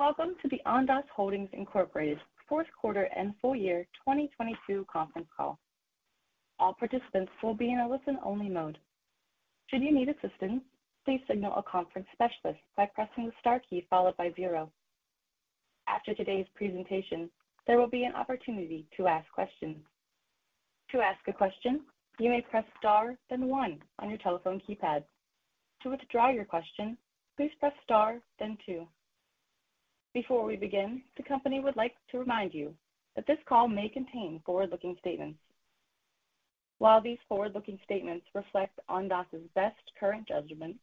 Welcome to the Ondas Holdings Incorporated fourth quarter and full year 2022 conference call. All participants will be in a listen-only mode. Should you need assistance, please signal a conference specialist by pressing the star key followed by zero. After today's presentation, there will be an opportunity to ask questions. To ask a question, you may press star then one on your telephone keypad. To withdraw your question, please press star then two. Before we begin, the company would like to remind you that this call may contain forward-looking statements. While these forward-looking statements reflect Ondas' best current judgment,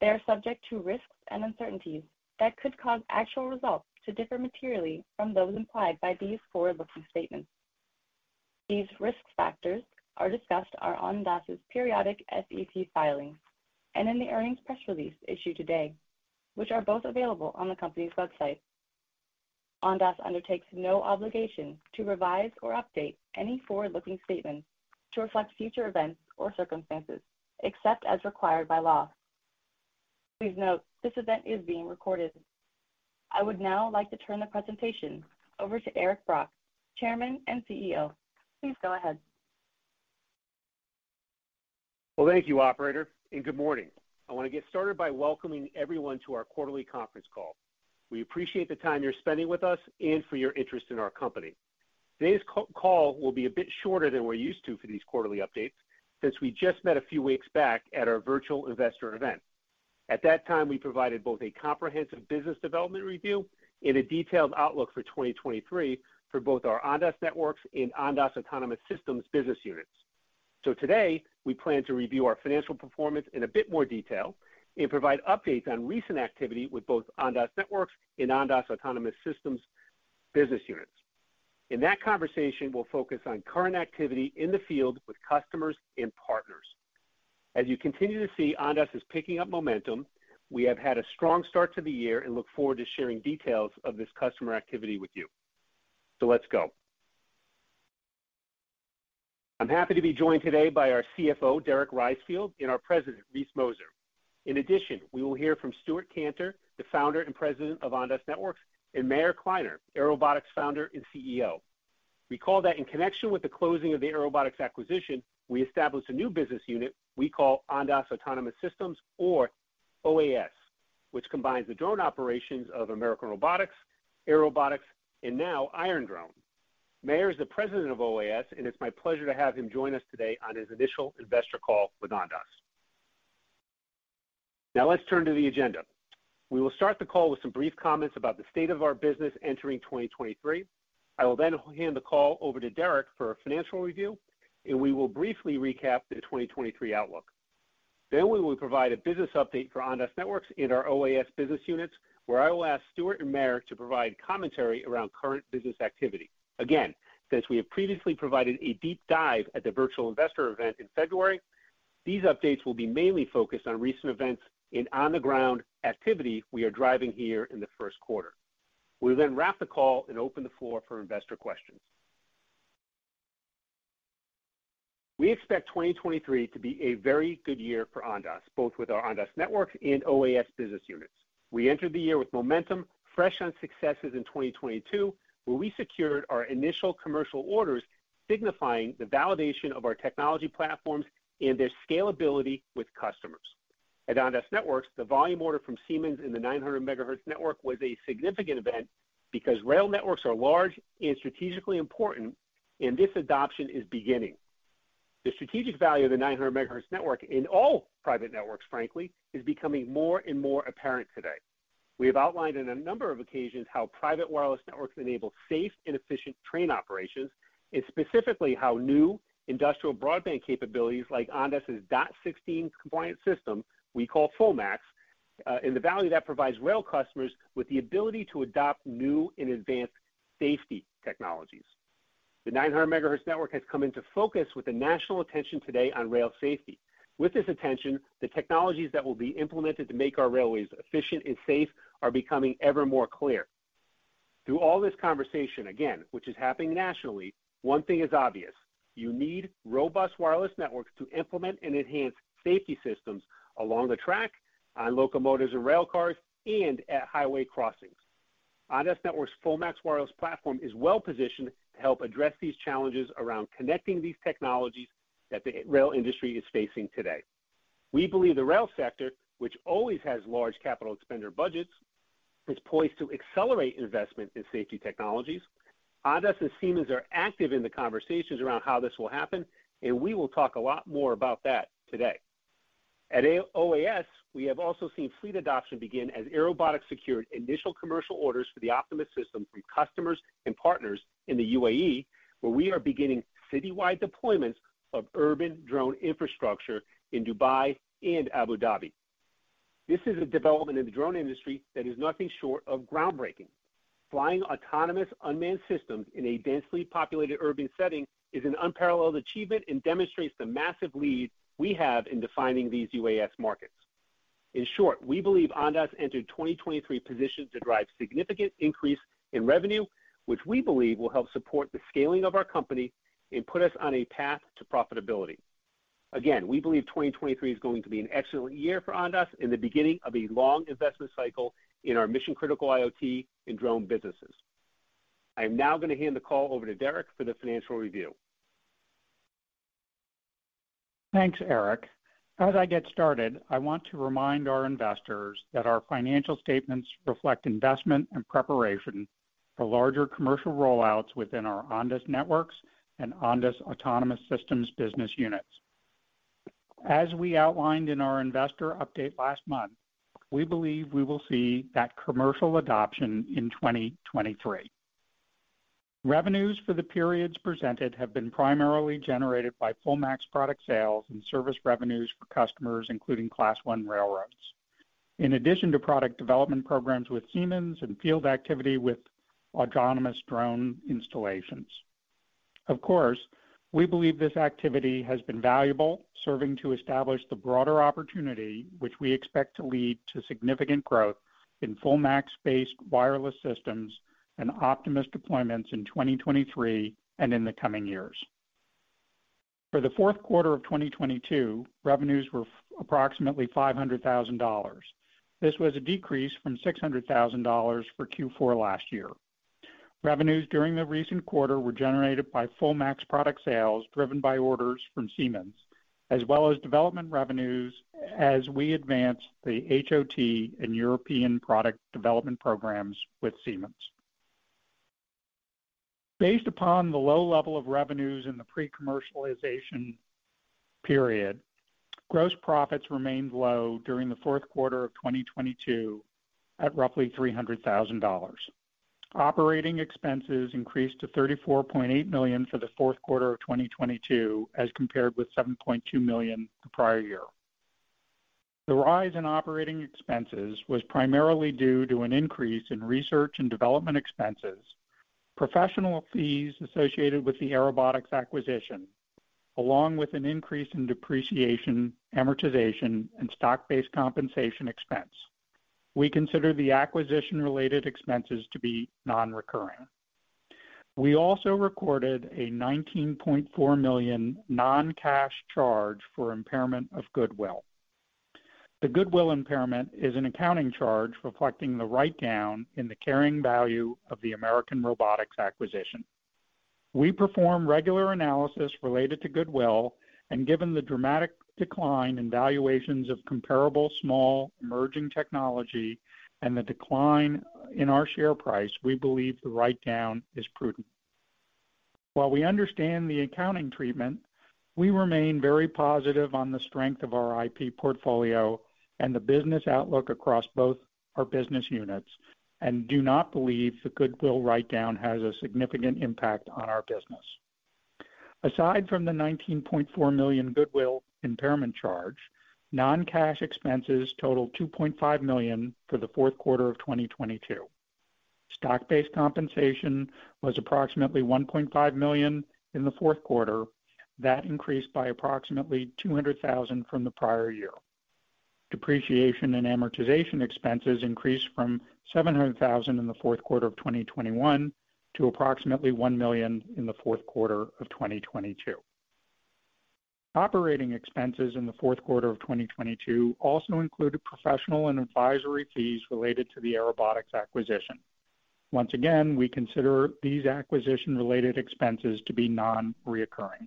they are subject to risks and uncertainties that could cause actual results to differ materially from those implied by these forward-looking statements. These risk factors are discussed are on Ondas' periodic SEC filings and in the earnings press release issued today, which are both available on the company's website. Ondas undertakes no obligation to revise or update any forward-looking statements to reflect future events or circumstances except as required by law. Please note, this event is being recorded. I would now like to turn the presentation over to Eric Brock, Chairman and CEO. Please go ahead. Well, thank you, operator, and good morning. I want to get started by welcoming everyone to our quarterly conference call. We appreciate the time you're spending with us and for your interest in our company. Today's call will be a bit shorter than we're used to for these quarterly updates since we just met a few weeks back at our virtual investor event. At that time, we provided both a comprehensive business development review and a detailed outlook for 2023 for both our Ondas Networks and Ondas Autonomous Systems business units. Today we plan to review our financial performance in a bit more detail and provide updates on recent activity with both Ondas Networks and Ondas Autonomous Systems business units. In that conversation, we'll focus on current activity in the field with customers and partners. As you continue to see, Ondas is picking up momentum. We have had a strong start to the year and look forward to sharing details of this customer activity with you. Let's go. I'm happy to be joined today by our CFO, Derek Reisfield, and our President, Reese Mozer. In addition, we will hear from Stewart Kantor, the Founder and President of Ondas Networks, and Meir Kliner, Airobotics Founder and CEO. Recall that in connection with the closing of the Airobotics acquisition, we established a new business unit we call Ondas Autonomous Systems, or OAS, which combines the drone operations of American Robotics, Airobotics, and now Iron Drone. Meir is the President of OAS, and it's my pleasure to have him join us today on his initial investor call with Ondas. Let's turn to the agenda. We will start the call with some brief comments about the state of our business entering 2023. I will then hand the call over to Derek for a financial review, and we will briefly recap the 2023 outlook. We will provide a business update for Ondas Networks and our OAS business units, where I will ask Stewart and Meir to provide commentary around current business activity. Again, since we have previously provided a deep dive at the virtual investor event in February, these updates will be mainly focused on recent events and on-the-ground activity we are driving here in the first quarter. We'll then wrap the call and open the floor for investor questions. We expect 2023 to be a very good year for Ondas, both with our Ondas Networks and OAS business units. We entered the year with momentum, fresh on successes in 2022, where we secured our initial commercial orders signifying the validation of our technology platforms and their scalability with customers. At Ondas Networks, the volume order from Siemens in the 900 MHz network was a significant event because rail networks are large and strategically important. This adoption is beginning. The strategic value of the 900 MHz network in all private networks, frankly, is becoming more and more apparent today. We have outlined in a number of occasions how private wireless networks enable safe and efficient train operations, and specifically how new industrial broadband capabilities like Ondas' dot16-compliant system we call FullMAX, and the value that provides rail customers with the ability to adopt new and advanced safety technologies. The 900 MHz network has come into focus with the national attention today on rail safety. With this attention, the technologies that will be implemented to make our railways efficient and safe are becoming ever more clear. Through all this conversation, again, which is happening nationally, one thing is obvious: you need robust wireless networks to implement and enhance safety systems along the track, on locomotives and rail cars, and at highway crossings. Ondas Networks' FullMAX wireless platform is well-positioned to help address these challenges around connecting these technologies that the rail industry is facing today. We believe the rail sector, which always has large capital spender budgets, is poised to accelerate investment in safety technologies. Ondas and Siemens are active in the conversations around how this will happen, and we will talk a lot more about that today. At OAS, we have also seen fleet adoption begin as Airobotics secured initial commercial orders for the Optimus System from customers and partners in the UAE, where we are beginning citywide deployments of urban drone infrastructure in Dubai and Abu Dhabi. This is a development in the drone industry that is nothing short of groundbreaking. Flying autonomous unmanned systems in a densely populated urban setting is an unparalleled achievement and demonstrates the massive lead we have in defining these UAS markets. In short, we believe Ondas entered 2023 positioned to drive significant increase in revenue, which we believe will help support the scaling of our company and put us on a path to profitability. Again, we believe 2023 is going to be an excellent year for Ondas and the beginning of a long investment cycle in our mission-critical IoT and drone businesses. I am now going to hand the call over to Derek for the financial review. Thanks, Eric. As I get started, I want to remind our investors that our financial statements reflect investment and preparation for larger commercial rollouts within our Ondas Networks and Ondas Autonomous Systems business units. As we outlined in our investor update last month, we believe we will see that commercial adoption in 2023. Revenues for the periods presented have been primarily generated by FullMAX product sales and service revenues for customers, including Class I railroads. In addition to product development programs with Siemens and field activity with autonomous drone installations. Of course, we believe this activity has been valuable, serving to establish the broader opportunity, which we expect to lead to significant growth in FullMAX-based wireless systems and Optimus deployments in 2023 and in the coming years. For the fourth quarter of 2022, revenues were approximately $500,000. This was a decrease from $600,000 for Q4 last year. Revenues during the recent quarter were generated by FullMAX product sales, driven by orders from Siemens, as well as development revenues as we advanced the HOT and European product development programs with Siemens. Based upon the low level of revenues in the pre-commercialization period, gross profits remained low during the fourth quarter of 2022 at roughly $300,000. Operating expenses increased to $34.8 million for the fourth quarter of 2022, as compared with $7.2 million the prior year. The rise in operating expenses was primarily due to an increase in research and development expenses, professional fees associated with the Airobotics acquisition, along with an increase in depreciation, amortization, and stock-based compensation expense. We consider the acquisition-related expenses to be non-recurring. We also recorded a $19.4 million non-cash charge for impairment of goodwill. The goodwill impairment is an accounting charge reflecting the write-down in the carrying value of the American Robotics acquisition. We perform regular analysis related to goodwill and given the dramatic decline in valuations of comparable small emerging technology and the decline in our share price, we believe the write-down is prudent. While we understand the accounting treatment, we remain very positive on the strength of our IP portfolio and the business outlook across both our business units and do not believe the goodwill write-down has a significant impact on our business. Aside from the $19.4 million goodwill impairment charge, non-cash expenses totaled $2.5 million for the fourth quarter of 2022. Stock-based compensation was approximately $1.5 million in the fourth quarter. That increased by approximately $200,000 from the prior year. Depreciation and amortization expenses increased from $700,000 in the fourth quarter of 2021 to approximately $1 million in the fourth quarter of 2022. Operating expenses in the fourth quarter of 2022 also included professional and advisory fees related to the Airobotics acquisition. Once again, we consider these acquisition-related expenses to be non-reoccurring.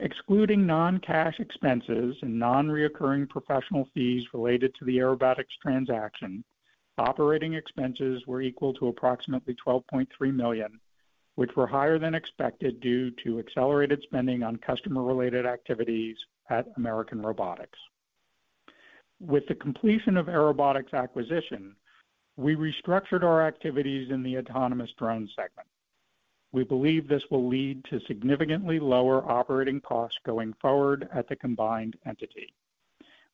Excluding non-cash expenses and non-reoccurring professional fees related to the Airobotics transaction, operating expenses were equal to approximately $12.3 million, which were higher than expected due to accelerated spending on customer-related activities at American Robotics. With the completion of Airobotics acquisition, we restructured our activities in the autonomous drone segment. We believe this will lead to significantly lower operating costs going forward at the combined entity.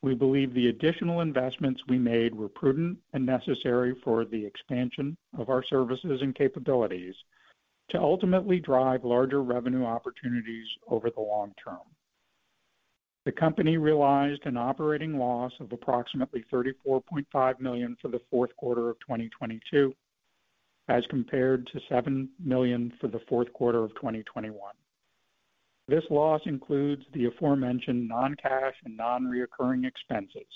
We believe the additional investments we made were prudent and necessary for the expansion of our services and capabilities to ultimately drive larger revenue opportunities over the long term. The company realized an operating loss of approximately $34.5 million for the fourth quarter of 2022, as compared to $7 million for the fourth quarter of 2021. This loss includes the aforementioned non-cash and non-reoccurring expenses.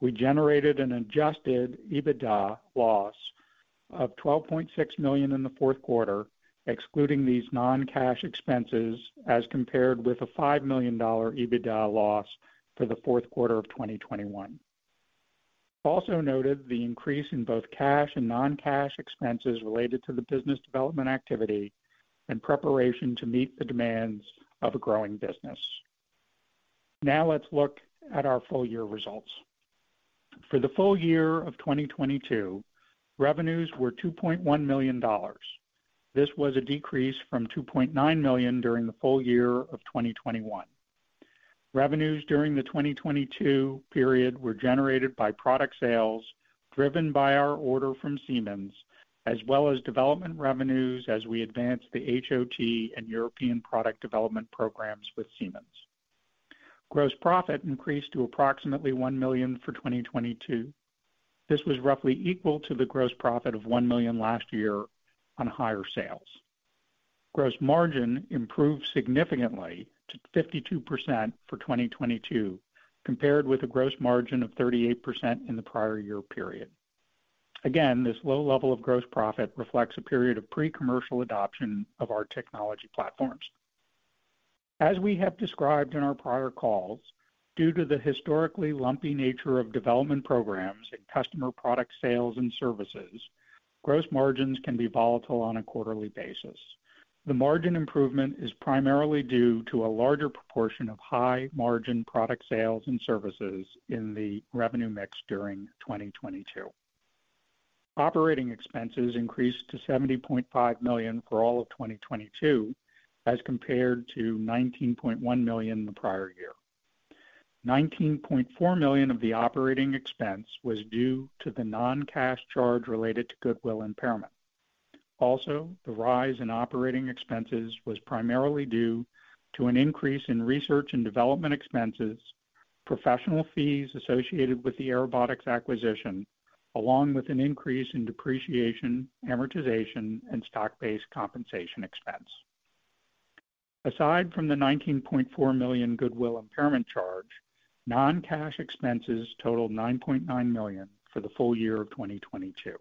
We generated an adjusted EBITDA loss of $12.6 million in the fourth quarter, excluding these non-cash expenses, as compared with a $5 million EBITDA loss for the fourth quarter of 2021. Noted the increase in both cash and non-cash expenses related to the business development activity in preparation to meet the demands of a growing business. Let's look at our full-year results. For the full year of 2022, revenues were $2.1 million. This was a decrease from $2.9 million during the full year of 2021. Revenues during the 2022 period were generated by product sales driven by our order from Siemens, as well as development revenues as we advanced the HOT and European product development programs with Siemens. Gross profit increased to approximately $1 million for 2022. This was roughly equal to the gross profit of $1 million last year on higher sales. Gross margin improved significantly to 52% for 2022, compared with a gross margin of 38% in the prior year period. Again, this low level of gross profit reflects a period of pre-commercial adoption of our technology platforms. As we have described in our prior calls, due to the historically lumpy nature of development programs and customer product sales and services, gross margins can be volatile on a quarterly basis. The margin improvement is primarily due to a larger proportion of high margin product sales and services in the revenue mix during 2022. Operating expenses increased to $70.5 million for all of 2022, as compared to $19.1 million the prior year. $19.4 million of the operating expense was due to the non-cash charge related to goodwill impairment. The rise in operating expenses was primarily due to an increase in research and development expenses, professional fees associated with the Airobotics acquisition, along with an increase in depreciation, amortization, and stock-based compensation expense. Aside from the $19.4 million goodwill impairment charge, non-cash expenses totaled $9.9 million for the full year of 2022,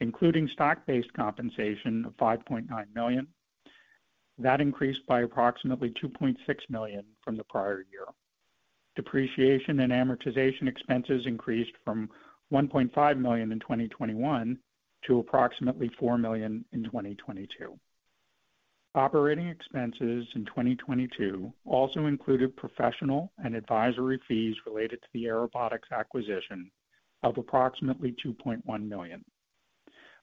including stock-based compensation of $5.9 million. That increased by approximately $2.6 million from the prior year. Depreciation and amortization expenses increased from $1.5 million in 2021 to approximately $4 million in 2022. Operating expenses in 2022 also included professional and advisory fees related to the Airobotics acquisition of approximately $2.1 million.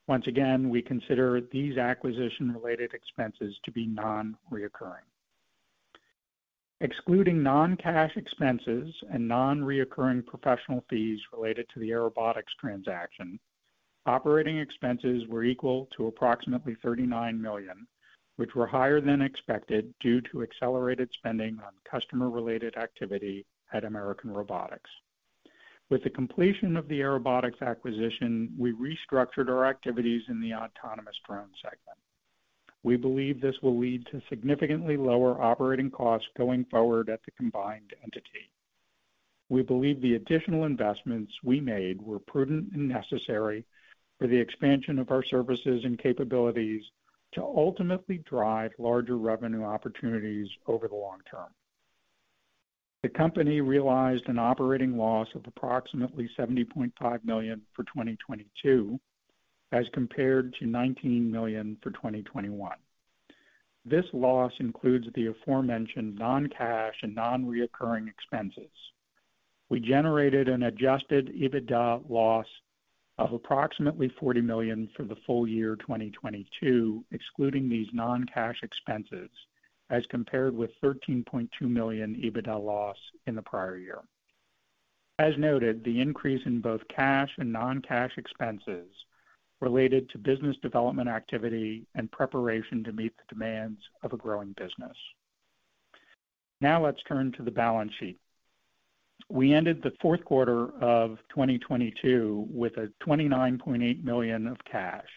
Once again, we consider these acquisition-related expenses to be non-reoccurring. Excluding non-cash expenses and non-reoccurring professional fees related to the Airobotics transaction, operating expenses were equal to approximately $39 million, which were higher than expected due to accelerated spending on customer-related activity at American Robotics. With the completion of the Airobotics acquisition, we restructured our activities in the autonomous drone segment. We believe this will lead to significantly lower operating costs going forward at the combined entity. We believe the additional investments we made were prudent and necessary for the expansion of our services and capabilities to ultimately drive larger revenue opportunities over the long term. The company realized an operating loss of approximately $70.5 million for 2022, as compared to $19 million for 2021. This loss includes the aforementioned non-cash and non-recurring expenses. We generated an adjusted EBITDA loss of approximately $40 million for the full year 2022, excluding these non-cash expenses, as compared with $13.2 million EBITDA loss in the prior year. As noted, the increase in both cash and non-cash expenses related to business development activity and preparation to meet the demands of a growing business. Let's turn to the balance sheet. We ended the fourth quarter of 2022 with a $29.8 million of cash.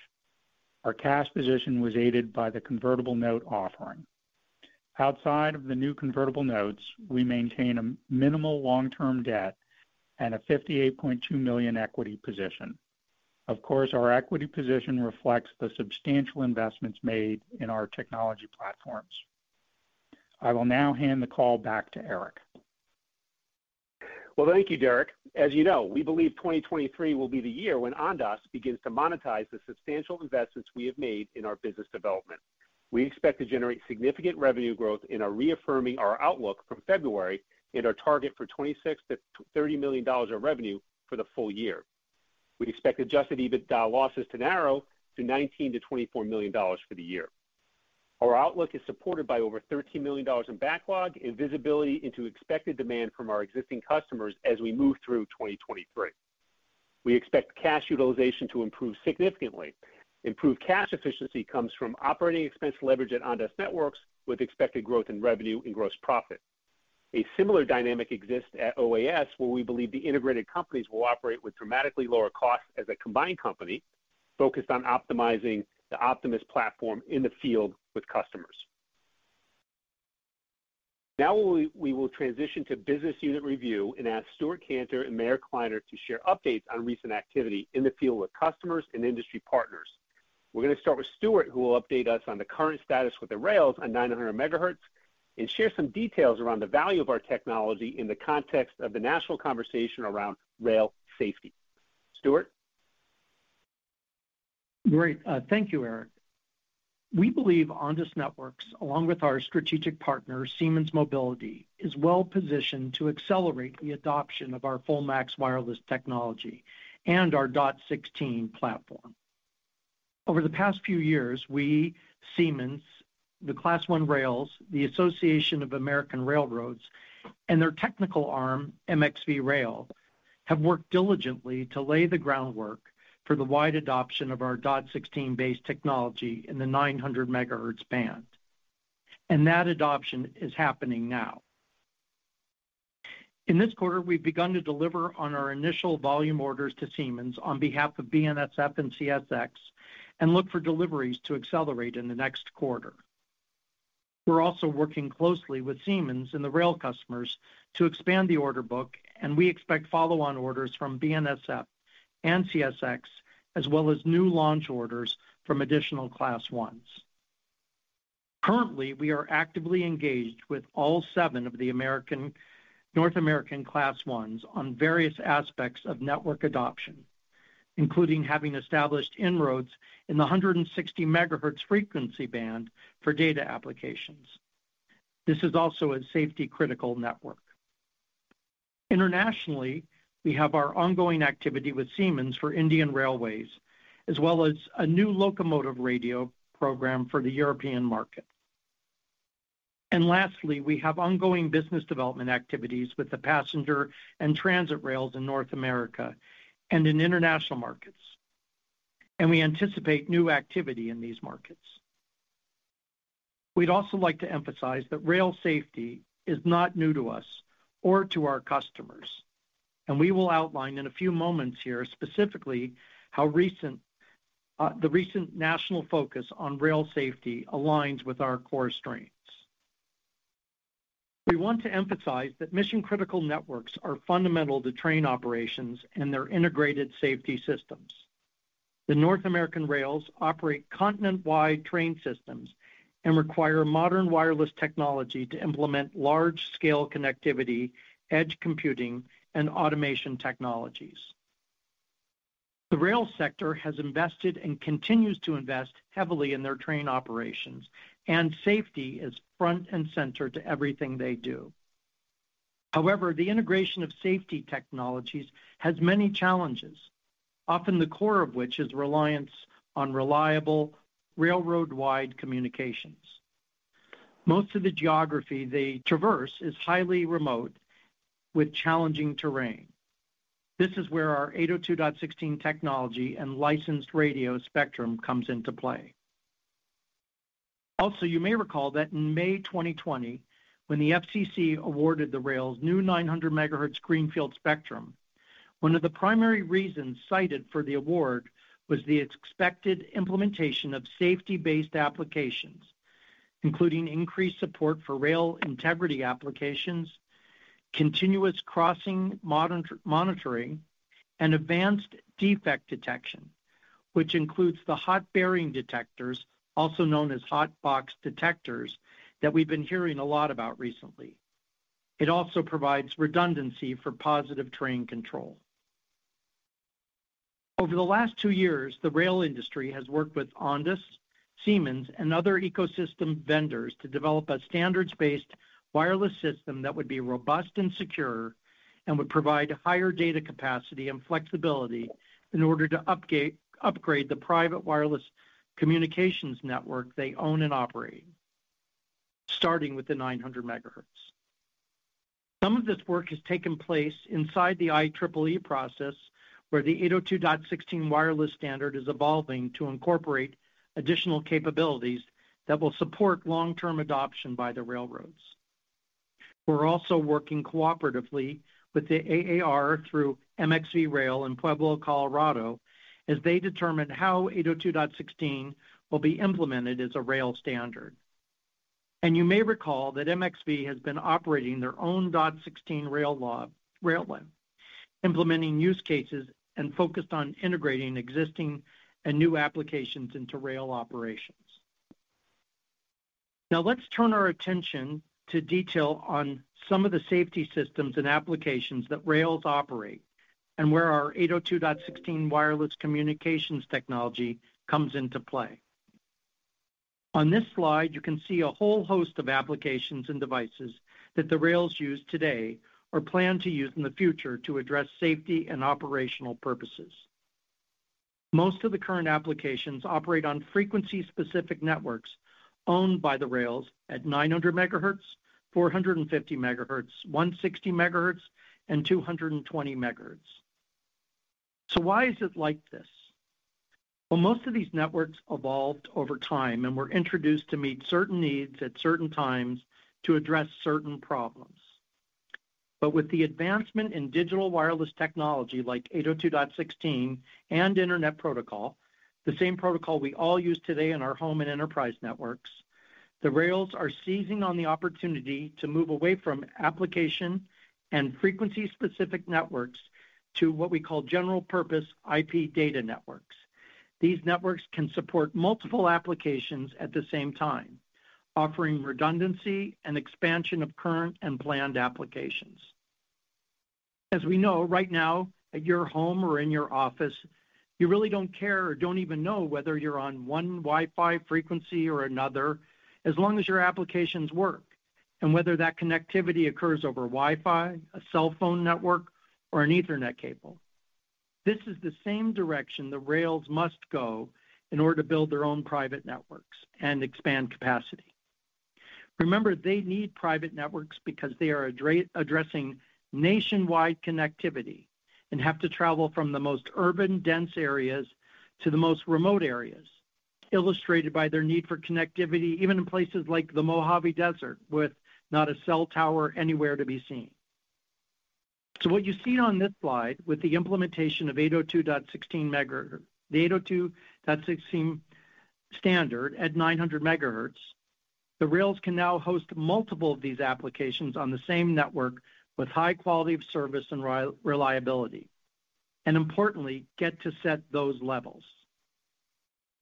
Our cash position was aided by the convertible note offering. Outside of the new convertible notes, we maintain a minimal long-term debt and a $58.2 million equity position. Of course, our equity position reflects the substantial investments made in our technology platforms. I will now hand the call back to Eric. Well, thank you, Derek. As you know, we believe 2023 will be the year when Ondas begins to monetize the substantial investments we have made in our business development. We expect to generate significant revenue growth in our reaffirming our outlook from February and our target for $26 million-$30 million of revenue for the full year. We expect adjusted EBITDA losses to narrow to $19 million-$24 million for the year. Our outlook is supported by over $13 million in backlog and visibility into expected demand from our existing customers as we move through 2023. We expect cash utilization to improve significantly. Improved cash efficiency comes from operating expense leverage at Ondas Networks with expected growth in revenue and gross profit. A similar dynamic exists at OAS, where we believe the integrated companies will operate with dramatically lower costs as a combined company focused on optimizing the Optimus platform in the field with customers. Now we will transition to business unit review and ask Stewart Kantor and Meir Kliner to share updates on recent activity in the field with customers and industry partners. We're gonna start with Stewart, who will update us on the current status with the rails on 900 MHz and share some details around the value of our technology in the context of the national conversation around rail safety. Stewart? Great. thank you, Eric. We believe Ondas Networks, along with our strategic partner, Siemens Mobility, is well-positioned to accelerate the adoption of our FullMAX wireless technology and our dot16 platform. Over the past few years, we, Siemens, the Class I rails, the Association of American Railroads, and their technical arm, MXV Rail. Have worked diligently to lay the groundwork for the wide adoption of our dot16-based technology in the 900 MHz band. That adoption is happening now. In this quarter, we've begun to deliver on our initial volume orders to Siemens on behalf of BNSF and CSX, and look for deliveries to accelerate in the next quarter. We're also working closely with Siemens and the rail customers to expand the order book, and we expect follow-on orders from BNSF and CSX, as well as new launch orders from additional Class 1s. Currently, we are actively engaged with all 7 of the North American Class 1s on various aspects of network adoption, including having established inroads in the 160 MHz frequency band for data applications. This is also a safety-critical network. Internationally, we have our ongoing activity with Siemens for Indian Railways, as well as a new locomotive radio program for the European market. Lastly, we have ongoing business development activities with the passenger and transit rails in North America and in international markets, and we anticipate new activity in these markets. We'd also like to emphasize that rail safety is not new to us or to our customers, and we will outline in a few moments here specifically how the recent national focus on rail safety aligns with our core strengths. We want to emphasize that mission-critical networks are fundamental to train operations and their integrated safety systems. The North American rails operate continent-wide train systems and require modern wireless technology to implement large-scale connectivity, edge computing, and automation technologies. The rail sector has invested and continues to invest heavily in their train operations, and safety is front and center to everything they do. However, the integration of safety technologies has many challenges, often the core of which is reliance on reliable railroad-wide communications. Most of the geography they traverse is highly remote with challenging terrain. This is where our 802.16 technology and licensed radio spectrum comes into play. Also, you may recall that in May 2020, when the FCC awarded the rail's new 900 MHz greenfield spectrum, one of the primary reasons cited for the award was the expected implementation of safety-based applications, including increased support for rail integrity applications, continuous crossing monitoring, and advanced defect detection, which includes the hot bearing detectors, also known as hot box detectors, that we've been hearing a lot about recently. It also provides redundancy for Positive Train Control. Over the last 2 years, the rail industry has worked with Ondas, Siemens, and other ecosystem vendors to develop a standards-based wireless system that would be robust and secure and would provide higher data capacity and flexibility in order to upgrade the private wireless communications network they own and operate, starting with the 900 MHz. Some of this work has taken place inside the IEEE process, where the 802.16 wireless standard is evolving to incorporate additional capabilities that will support long-term adoption by the railroads. We're also working cooperatively with the AAR through MXV Rail in Pueblo, Colorado, as they determine how 802.16 will be implemented as a rail standard. You may recall that MXV has been operating their own dot16 rail line, implementing use cases and focused on integrating existing and new applications into rail operations. Let's turn our attention to detail on some of the safety systems and applications that rails operate and where our 802.16 wireless communications technology comes into play. On this slide, you can see a whole host of applications and devices that the rails use today or plan to use in the future to address safety and operational purposes. Most of the current applications operate on frequency-specific networks owned by the rails at 900 MHz, 450 MHz, 160 MHz, and 220 MHz. Why is it like this? Well, most of these networks evolved over time and were introduced to meet certain needs at certain times to address certain problems. With the advancement in digital wireless technology like 802.16 and Internet Protocol, the same protocol we all use today in our home and enterprise networks, the rails are seizing on the opportunity to move away from application and frequency-specific networks to what we call general purpose IP data networks. These networks can support multiple applications at the same time, offering redundancy and expansion of current and planned applications. As we know right now at your home or in your office, you really don't care or don't even know whether you're on one Wi-Fi frequency or another as long as your applications work and whether that connectivity occurs over Wi-Fi, a cell phone network, or an Ethernet cable. This is the same direction the rails must go in order to build their own private networks and expand capacity. Remember, they need private networks because they are addressing nationwide connectivity and have to travel from the most urban dense areas to the most remote areas, illustrated by their need for connectivity even in places like the Mojave Desert, with not a cell tower anywhere to be seen. What you see on this slide with the implementation of the 802.16 standard at 900 MHz, the rails can now host multiple of these applications on the same network with high quality of service and reliability, and importantly, get to set those levels.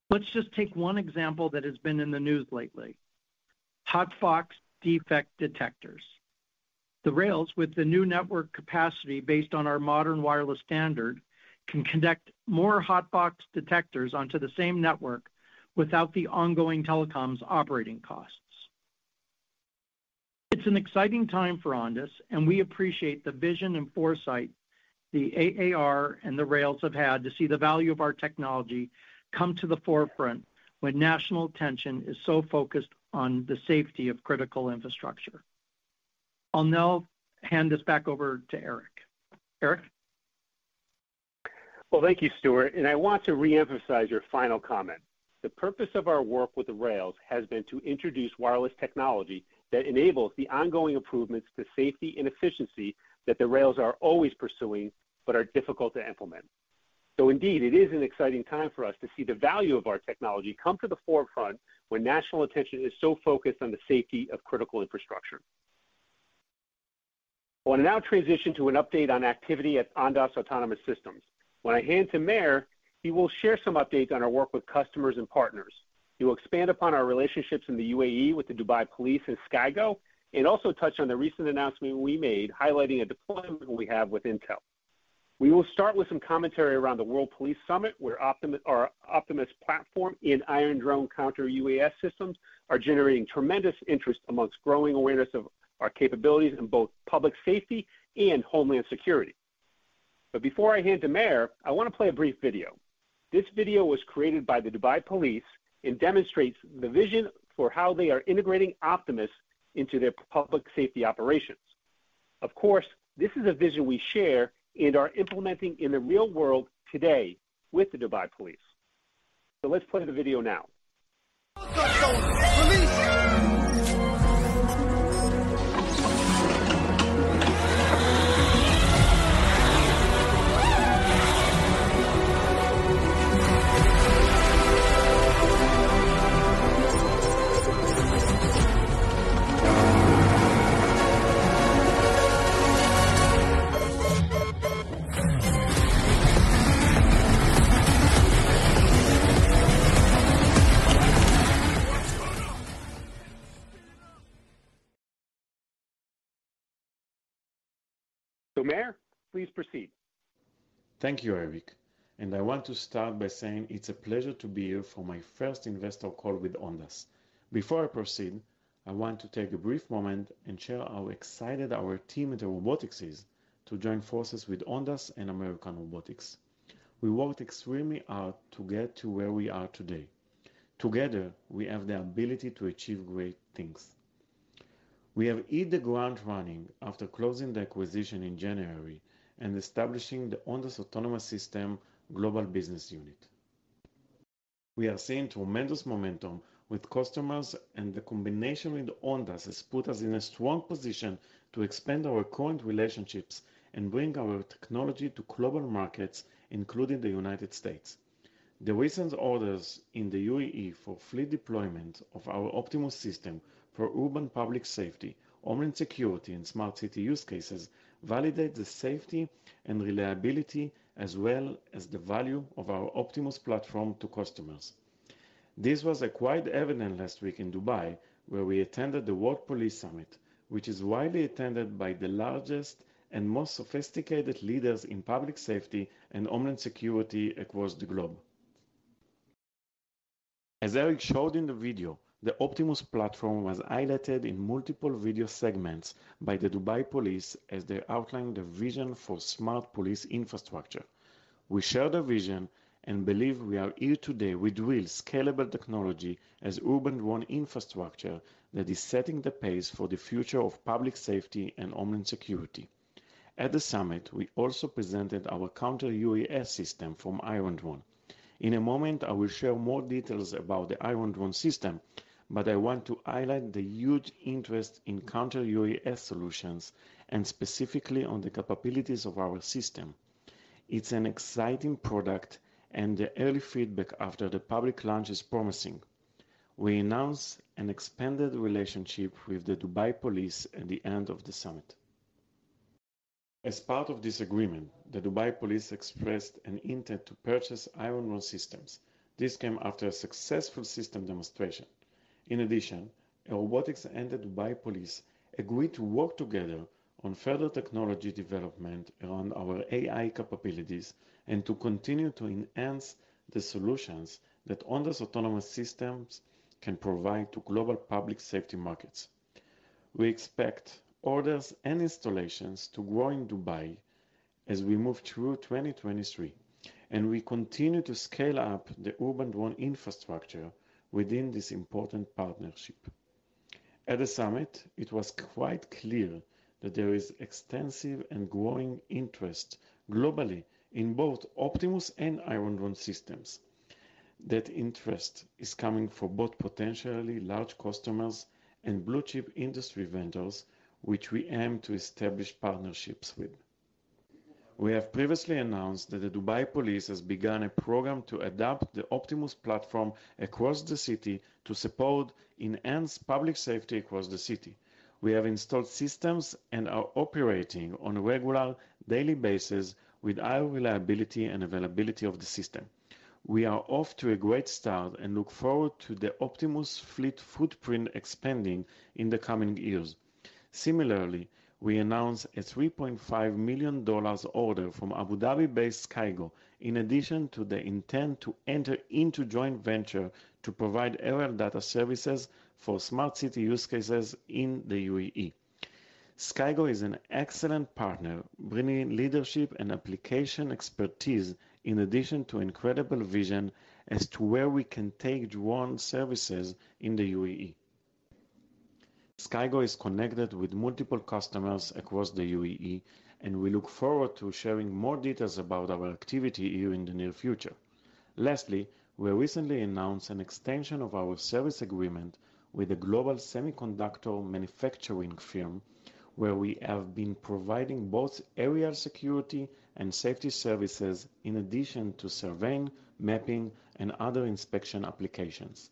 Let's just take one example that has been in the news lately. hot box defect detectors. The rails with the new network capacity based on our modern wireless standard, can conduct more hot box detectors onto the same network without the ongoing telecoms operating costs. It's an exciting time for Ondas, we appreciate the vision and foresight the AAR and the rails have had to see the value of our technology come to the forefront when national attention is so focused on the safety of critical infrastructure. I'll now hand this back over to Eric. Eric? Well, thank you, Stewart. I want to re-emphasize your final comment. The purpose of our work with the rails has been to introduce wireless technology that enables the ongoing improvements to safety and efficiency that the rails are always pursuing but are difficult to implement. Indeed, it is an exciting time for us to see the value of our technology come to the forefront when national attention is so focused on the safety of critical infrastructure. I want to now transition to an update on activity at Ondas Autonomous Systems. When I hand to Meir, he will share some updates on our work with customers and partners. He will expand upon our relationships in the UAE with the Dubai Police and SkyGo, and also touch on the recent announcement we made highlighting a deployment we have with Intel. We will start with some commentary around the World Police Summit, where our Optimus platform and Iron Drone Counter-UAS systems are generating tremendous interest amongst growing awareness of our capabilities in both public safety and homeland security. Before I hand to Meir, I want to play a brief video. This video was created by the Dubai Police and demonstrates the vision for how they are integrating Optimus into their public safety operations. Of course, this is a vision we share and are implementing in the real world today with the Dubai Police. Let's play the video now. Release. Meir, please proceed. Thank you, Eric. I want to start by saying it's a pleasure to be here for my first investor call with Ondas. Before I proceed, I want to take a brief moment and share how excited our team at Airobotics is to join forces with Ondas and American Robotics. We worked extremely hard to get to where we are today. Together, we have the ability to achieve great things. We have hit the ground running after closing the acquisition in January and establishing the Ondas Autonomous Systems global business unit. We are seeing tremendous momentum with customers, and the combination with Ondas has put us in a strong position to expand our current relationships and bring our technology to global markets, including the United States. The recent orders in the UAE for fleet deployment of our Optimus System for urban public safety, homeland security, and smart city use cases validate the safety and reliability as well as the value of our Optimus platform to customers. This was quite evident last week in Dubai, where we attended the World Police Summit, which is widely attended by the largest and most sophisticated leaders in public safety and homeland security across the globe. As Eric showed in the video, the Optimus platform was highlighted in multiple video segments by the Dubai Police as they outlined their vision for smart police infrastructure. We share their vision and believe we are here today with real scalable technology as urban drone infrastructure that is setting the pace for the future of public safety and homeland security. At the summit, we also presented our counter UAS system from Iron Drone. In a moment, I will share more details about the Iron Drone system. I want to highlight the huge interest in Counter-UAS solutions and specifically on the capabilities of our system. It's an exciting product. The early feedback after the public launch is promising. We announced an expanded relationship with the Dubai Police at the end of the summit. As part of this agreement, the Dubai Police expressed an intent to purchase Iron Drone systems. This came after a successful system demonstration. In addition, Airobotics and the Dubai Police agreed to work together on further technology development around our AI capabilities and to continue to enhance the solutions that Ondas Autonomous Systems can provide to global public safety markets. We expect orders and installations to grow in Dubai as we move through 2023. We continue to scale up the urban drone infrastructure within this important partnership. At the summit, it was quite clear that there is extensive and growing interest globally in both Optimus and Iron Drone systems. That interest is coming from both potentially large customers and blue-chip industry vendors, which we aim to establish partnerships with. We have previously announced that the Dubai Police has begun a program to adopt the Optimus platform across the city to support enhanced public safety across the city. We have installed systems and are operating on a regular daily basis with high reliability and availability of the system. We are off to a great start and look forward to the Optimus fleet footprint expanding in the coming years. Similarly, we announced a $3.5 million order from Abu Dhabi-based SkyGo in addition to the intent to enter into joint venture to provide aerial data services for smart city use cases in the UAE. SkyGo is an excellent partner, bringing leadership and application expertise in addition to incredible vision as to where we can take drone services in the UAE. SkyGo is connected with multiple customers across the UAE. We look forward to sharing more details about our activity here in the near future. Lastly, we recently announced an extension of our service agreement with a global semiconductor manufacturing firm, where we have been providing both aerial security and safety services in addition to surveying, mapping, and other inspection applications.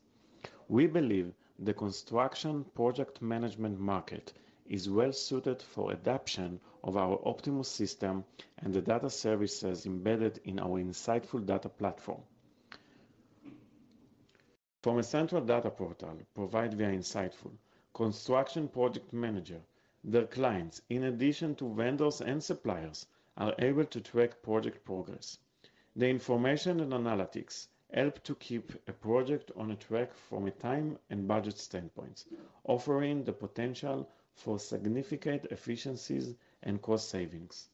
We believe the construction project management market is well-suited for adoption of our Optimus System and the data services embedded in our insightful data platform. From a central data portal provided via insightful, construction project manager, their clients, in addition to vendors and suppliers, are able to track project progress. The information and analytics help to keep a project on a track from a time and budget standpoint, offering the potential for significant efficiencies and cost savings.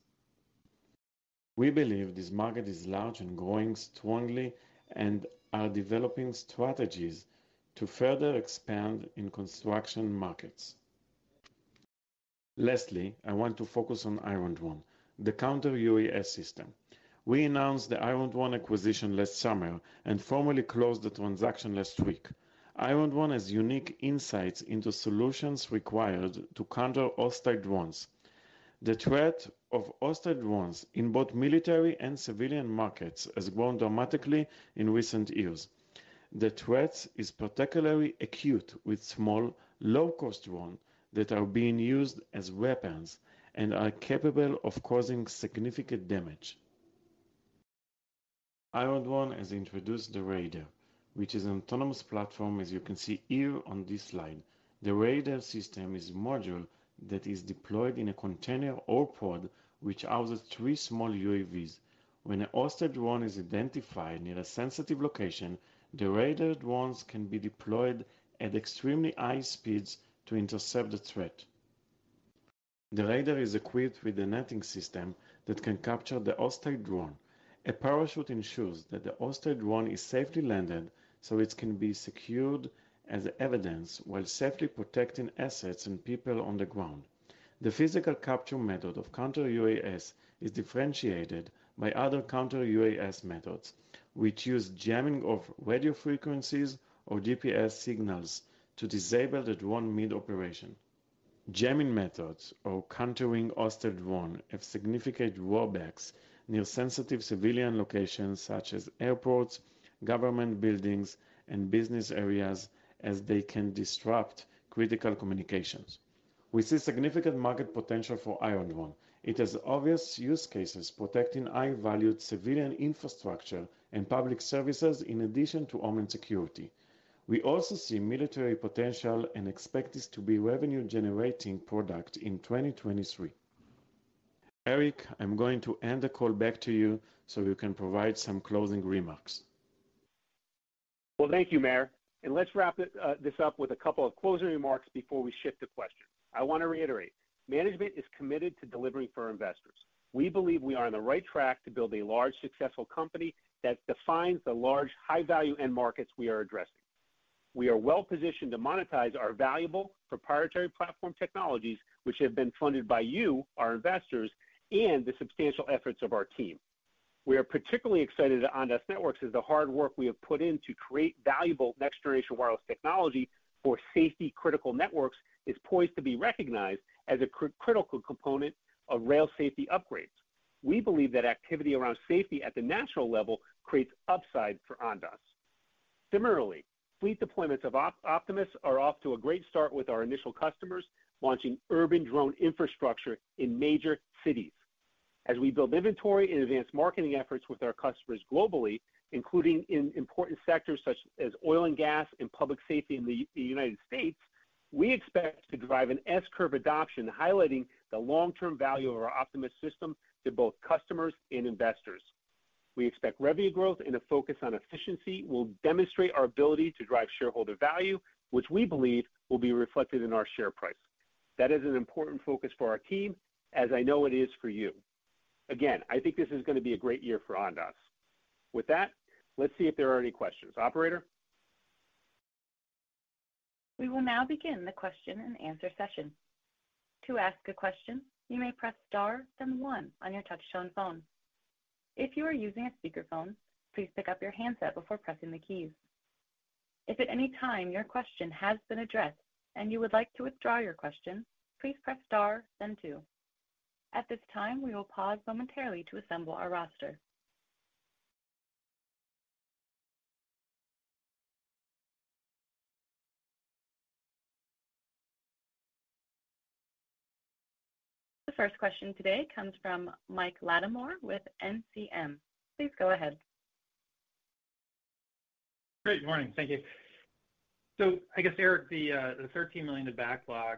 We believe this market is large and growing strongly and are developing strategies to further expand in construction markets. Lastly, I want to focus on Iron Drone, the Counter-UAS system. We announced the Iron Drone acquisition last summer and formally closed the transaction last week. Iron Drone has unique insights into solutions required to counter hostile drones. The threat of hostile drones in both military and civilian markets has grown dramatically in recent years. The threat is particularly acute with small, low-cost drones that are being used as weapons and are capable of causing significant damage. Iron Drone has introduced the Raider, which is an autonomous platform as you can see here on this slide. The Raider system is a module that is deployed in a container or pod which houses 3 small UAVs. When a hostile drone is identified near a sensitive location, the Raider drones can be deployed at extremely high speeds to intercept the threat. The Raider is equipped with a netting system that can capture the hostile drone. A parachute ensures that the hostile drone is safely landed, so it can be secured as evidence while safely protecting assets and people on the ground. The physical capture method of counter-UAS is differentiated by other counter-UAS methods, which use jamming of radio frequencies or GPS signals to disable the drone mid-operation. Jamming methods or countering hostile drone have significant drawbacks near sensitive civilian locations such as airports, government buildings, and business areas as they can disrupt critical communications. We see significant market potential for Iron Drone. It has obvious use cases protecting high-valued civilian infrastructure and public services in addition to home and security. We also see military potential and expect this to be revenue-generating product in 2023. Eric, I'm going to hand the call back to you so you can provide some closing remarks. Well, thank you, Meir. Let's wrap this up with a couple of closing remarks before we shift to questions. I want to reiterate, management is committed to delivering for investors. We believe we are on the right track to build a large, successful company that defines the large, high-value end markets we are addressing. We are well-positioned to monetize our valuable proprietary platform technologies, which have been funded by you, our investors, and the substantial efforts of our team. We are particularly excited at Ondas Networks as the hard work we have put in to create valuable next-generation wireless technology for safety-critical networks is poised to be recognized as a critical component of rail safety upgrades. We believe that activity around safety at the national level creates upside for Ondas. Similarly, fleet deployments of Optimus are off to a great start with our initial customers launching urban drone infrastructure in major cities. As we build inventory and advance marketing efforts with our customers globally, including in important sectors such as oil and gas and public safety in the United States, we expect to drive an S-curve adoption highlighting the long-term value of our Optimus System to both customers and investors. We expect revenue growth and a focus on efficiency will demonstrate our ability to drive shareholder value, which we believe will be reflected in our share price. That is an important focus for our team, as I know it is for you. Again, I think this is gonna be a great year for Ondas. With that, let's see if there are any questions. Operator? We will now begin the question and answer session. To ask a question, you may press star, then one on your touchtone phone. If you are using a speakerphone, please pick up your handset before pressing the keys. If at any time your question has been addressed and you would like to withdraw your question, please press star, then two. At this time, we will pause momentarily to assemble our roster. The first question today comes from Mike Latimore with NCM. Please go ahead. Great. Morning. Thank you. I guess, Eric, the $13 million in backlog,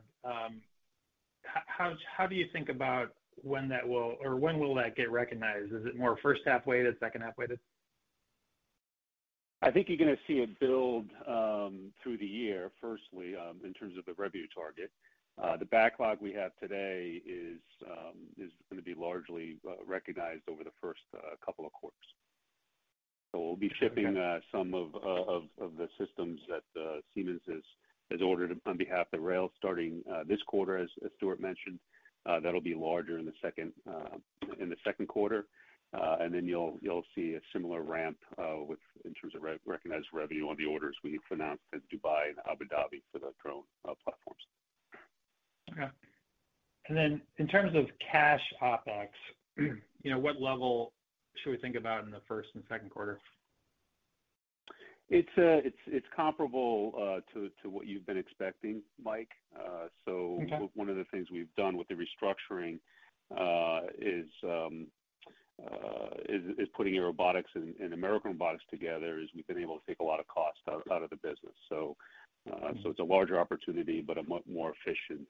how do you think about when will that get recognized? Is it more first half-weighted, second half-weighted? I think you're gonna see it build through the year, firstly, in terms of the revenue target. The backlog we have today is gonna be largely recognized over the first couple of quarters. We'll be shipping some of the systems that Siemens has ordered on behalf of rail starting this quarter, as Stewart mentioned. That'll be larger in the second quarter. Then you'll see a similar ramp in terms of re-recognized revenue on the orders we've announced at Dubai and Abu Dhabi for the drone platforms. Okay. Then in terms of cash OpEx, you know, what level should we think about in the first and second quarter? It's comparable to what you've been expecting, Mike. Okay. One of the things we've done with the restructuring, is putting Airobotics and American Robotics together, is we've been able to take a lot of cost out of the business. Mm-hmm. It's a larger opportunity, but a more efficient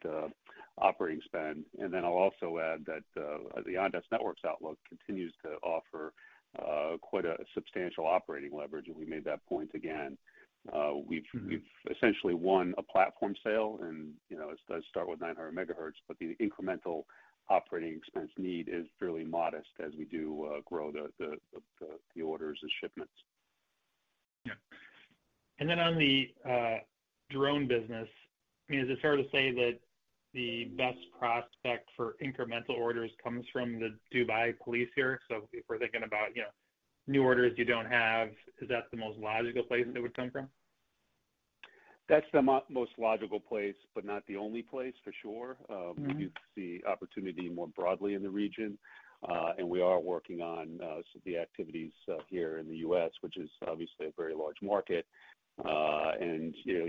operating spend. I'll also add that the Ondas Networks outlook continues to offer quite a substantial operating leverage, and we made that point again. Mm-hmm. We've essentially won a platform sale and, you know, it does start with 900 MHz, but the incremental operating expense need is fairly modest as we do grow the orders and shipments. Yeah. On the drone business, I mean, is it fair to say that the best prospect for incremental orders comes from the Dubai Police here? If we're thinking about, you know, new orders you don't have, is that the most logical place it would come from? That's the most logical place, but not the only place for sure. Mm-hmm. We do see opportunity more broadly in the region. We are working on some of the activities here in the U.S., which is obviously a very large market.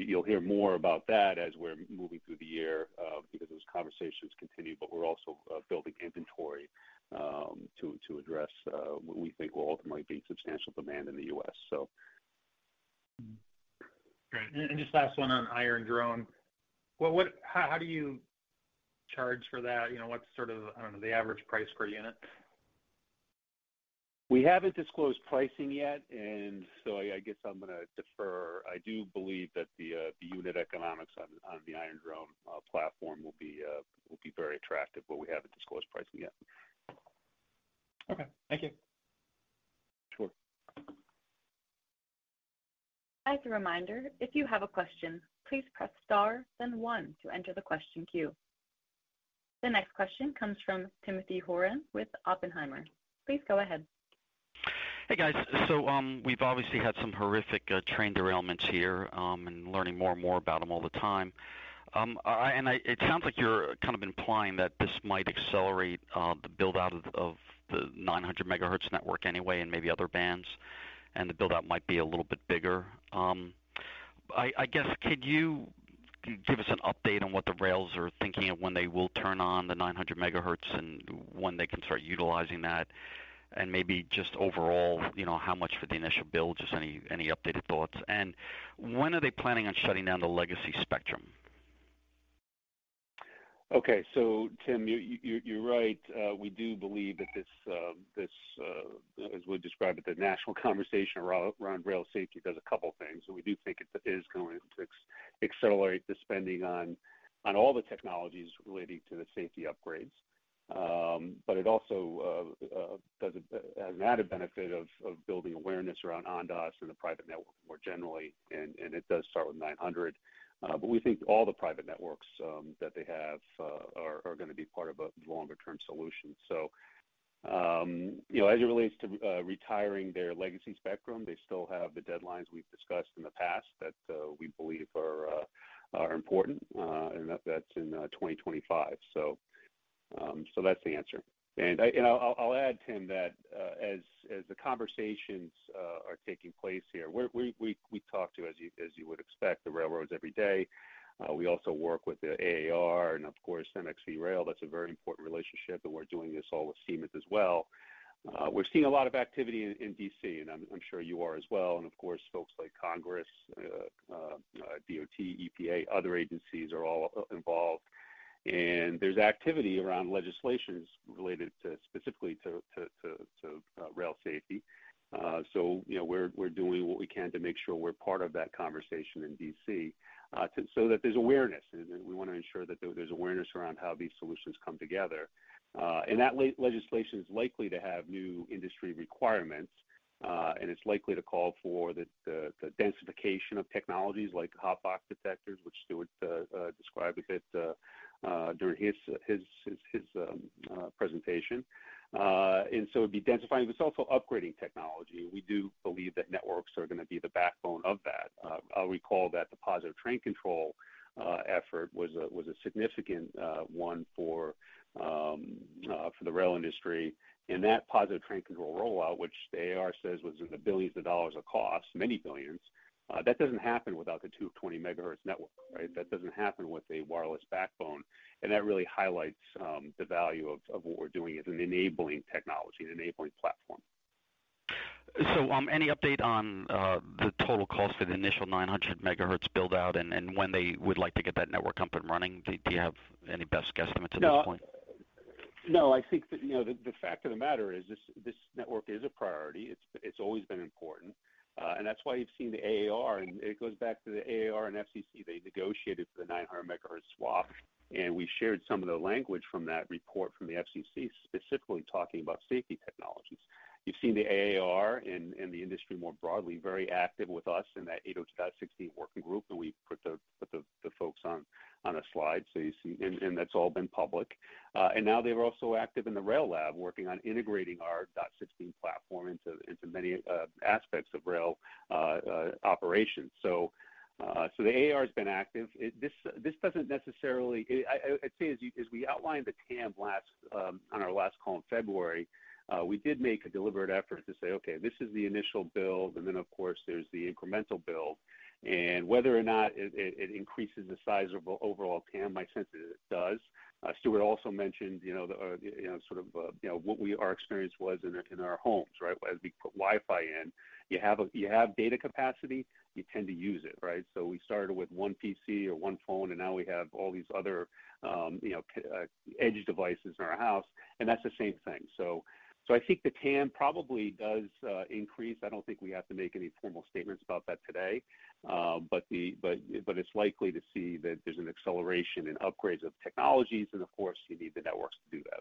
You'll hear more about that as we're moving through the year, because those conversations continue, We're also building inventory to address what we think will ultimately be substantial demand in the U.S., so. Great. Just last one on Iron Drone. Well, how do you charge for that? You know, what's sort of, I don't know, the average price per unit? We haven't disclosed pricing yet, and so I guess I'm gonna defer. I do believe that the unit economics on the Iron Drone platform will be very attractive, but we haven't disclosed pricing yet. Okay. Thank you. Sure. As a reminder, if you have a question, please press star then one to enter the question queue. The next question comes from Timothy Horan with Oppenheimer. Please go ahead. Hey, guys. We've obviously had some horrific train derailments here, and learning more and more about them all the time. It sounds like you're kind of implying that this might accelerate the build-out of the 900 MHz network anyway and maybe other bands, and the build-out might be a little bit bigger. I guess could you give us an update on what the rails are thinking of when they will turn on the 900 MHz and when they can start utilizing that? Maybe just overall, you know, how much for the initial build, just any updated thoughts? When are they planning on shutting down the legacy spectrum? Tim, you're right. We do believe that this, as we described it, the national conversation around rail safety does a couple of things. And we do think it is going to accelerate the spending on all the technologies relating to the safety upgrades. But it also does have an added benefit of building awareness around Ondas and the private network more generally, and it does start with 900. But we think all the private networks that they have are going to be part of a longer-term solution. You know, as it relates to retiring their legacy spectrum, they still have the deadlines we've discussed in the past that we believe are important, and that's in 2025. That's the answer. I'll add, Tim, that as the conversations are taking place here, we talk to, as you would expect, the railroads every day. We also work with the AAR and of course MXV Rail. That's a very important relationship, and we're doing this all with Siemens as well. We're seeing a lot of activity in D.C., and I'm sure you are as well. Of course, folks like Congress, DOT, EPA, other agencies are all involved. And there's activity around legislations related specifically to rail safety. You know, we're doing what we can to make sure we're part of that conversation in D.C. so that there's awareness. We wanna ensure that there's awareness around how these solutions come together. That legislation is likely to have new industry requirements, and it's likely to call for the densification of technologies like hot box detectors, which Stewart described a bit during his presentation. It'd be densifying this, also upgrading technology. We do believe that networks are gonna be the backbone of that. I'll recall that the Positive Train Control effort was a significant one for the rail industry. That Positive Train Control rollout, which the AAR says was in the billions of dollars of cost, many billions, that doesn't happen without the 220 MHz network, right? That doesn't happen with a wireless backbone. That really highlights the value of what we're doing as an enabling technology, an enabling platform. Any update on the total cost of the initial 900 MHz build out and when they would like to get that network up and running? Do you have any best guesstimates at this point? No, I think that, you know, the fact of the matter is this network is a priority. It's always been important, and that's why you've seen the AAR, and it goes back to the AAR and FCC. They negotiated for the 900 MHz swap, and we shared some of the language from that report from the FCC, specifically talking about safety technologies. You've seen the AAR and the industry more broadly, very active with us in that 802.16 working group, and we put the folks on a slide so you see. That's all been public. Now they're also active in the rail lab, working on integrating our dot16 platform into many aspects of rail operations. The AAR has been active. This doesn't necessarily. I'd say as we outlined the TAM last on our last call in February, we did make a deliberate effort to say, "Okay, this is the initial build," and then of course there's the incremental build. Whether or not it increases the size of overall TAM, my sense is it does. Stewart also mentioned, you know, the, you know, sort of, you know, what we, our experience was in our homes, right? As we put Wi-Fi in, you have data capacity, you tend to use it, right? We started with one PC or one phone, and now we have all these other, you know, edge devices in our house, and that's the same thing. I think the TAM probably does increase. I don't think we have to make any formal statements about that today, but it's likely to see that there's an acceleration in upgrades of technologies, and of course you need the networks to do that.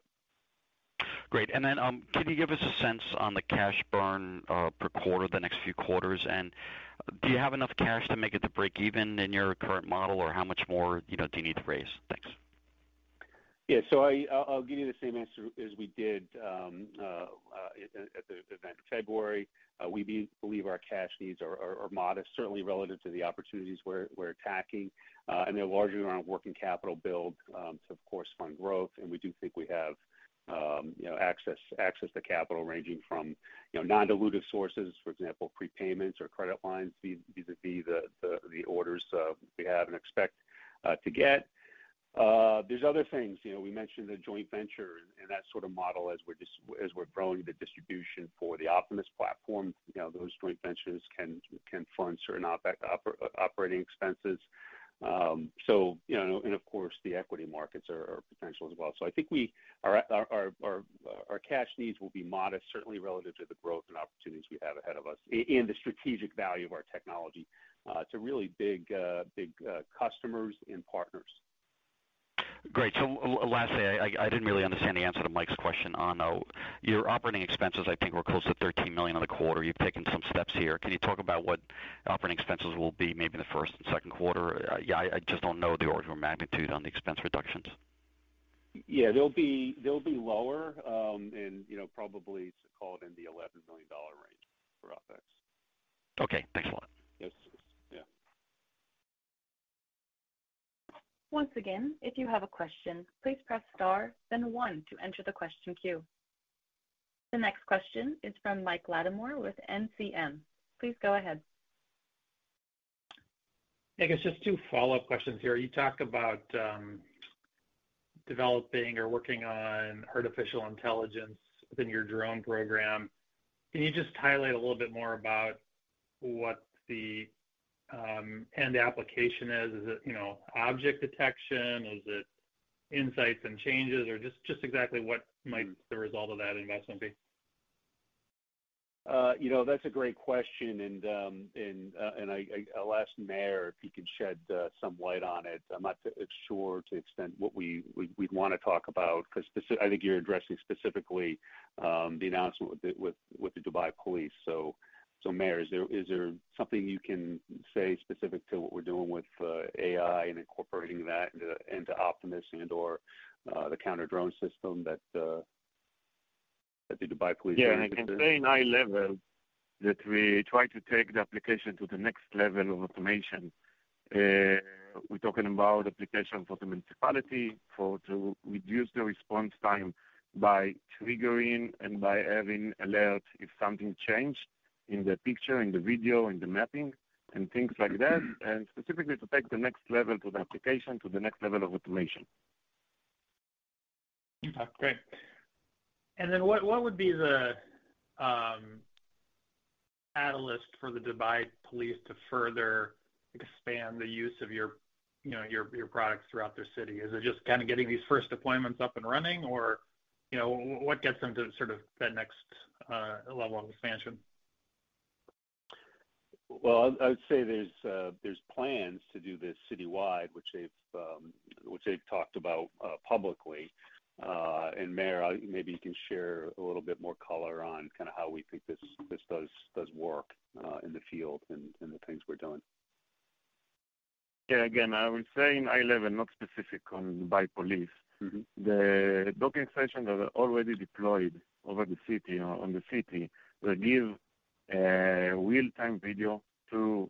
Great. Can you give us a sense on the cash burn per quarter the next few quarters? Do you have enough cash to make it to break even in your current model, or how much more, you know, do you need to raise? Thanks. I'll give you the same answer as we did at the event in February. We believe our cash needs are modest, certainly relative to the opportunities we're attacking. They're largely around working capital build to of course fund growth. We do think we have, you know, access to capital ranging from, you know, non-dilutive sources, for example, prepayments or credit lines vis-a-vis the orders of we have and expect to get. There's other things. You know, we mentioned the joint venture and that sort of model as we're growing the distribution for the Optimus platform. You know, those joint ventures can fund certain operating expenses. So, you know, of course the equity markets are potential as well. I think we are our cash needs will be modest, certainly relative to the growth and opportunities we have ahead of us and the strategic value of our technology, to really big customers and partners. Great. Lastly, I didn't really understand the answer to Mike's question on your operating expenses, I think, were close to $13 million on the quarter. You've taken some steps here. Can you talk about what operating expenses will be maybe in the first and second quarter? I just don't know the order of magnitude on the expense reductions. Yeah. They'll be lower, you know, probably call it in the $11 million range for OpEx. Okay. Thanks a lot. Yes. Yeah. Once again, if you have a question, please press star then one to enter the question queue. The next question is from Mike Latimore with NCM. Please go ahead. Nick, it's just two follow-up questions here. You talk about developing or working on artificial intelligence within your drone program. Can you just highlight a little bit more about what the end application is? Is it, you know, object detection? Is it insights and changes, or just exactly what might the result of that investment be? You know, that's a great question. I'll ask Meir if he can shed some light on it. I'm not sure to extent what we'd wanna talk about 'cause I think you're addressing specifically the announcement with the Dubai Police. Meir, is there something you can say specific to what we're doing with AI and incorporating that into Optimus and/or the counter-drone system that the Dubai Police are interested in? Yeah. I can say in high level that we try to take the application to the next level of automation. We're talking about application for the municipality to reduce the response time by triggering and by having alert if something changed in the picture, in the video, in the mapping and things like that. Specifically to take the next level to the application, to the next level of automation. Okay, great. What would be the catalyst for the Dubai Police to further expand the use of your, you know, products throughout their city? Is it just kind of getting these first deployments up and running or, you know, what gets them to sort of that next level of expansion? I'd say there's plans to do this citywide, which they've, which they've talked about, publicly. Meir, maybe you can share a little bit more color on kinda how we think this does work, in the field and the things we're doing. Yeah. Again, I will say in high level, not specific on Dubai Police. Mm-hmm. The docking station that are already deployed over the city or on the city will give real-time video to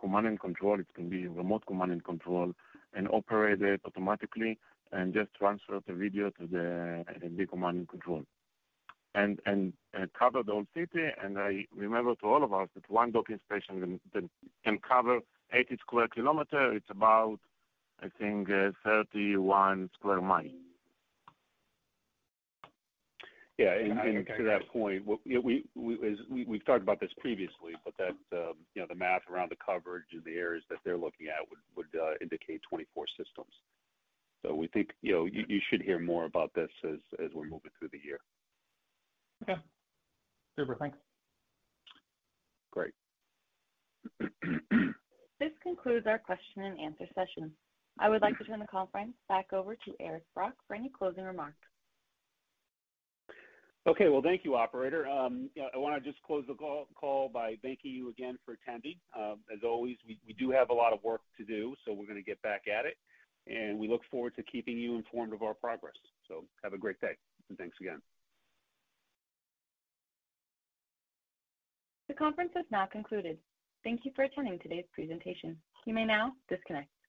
command and control. It can be remote command and control and operated automatically, and just transfer the video to the command and control. It cover the whole city, and I remember to all of us that one docking station can cover 80 square kilometer. It's about, I think, 31 square mile. Yeah. To that point, we've talked about this previously, but that, you know, the math around the coverage and the areas that they're looking at would indicate 24 systems. We think, you know, you should hear more about this as we're moving through the year. Okay. Super. Thanks. Great. This concludes our question and answer session. I would like to turn the conference back over to Eric Brock for any closing remarks. Okay. Well, thank you, operator. I wanna just close the call by thanking you again for attending. As always, we do have a lot of work to do, so we're gonna get back at it, and we look forward to keeping you informed of our progress. Have a great day, and thanks again. The conference is now concluded. Thank you for attending today's presentation. You may now disconnect.